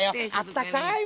あったかい